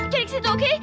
cari kesitu oke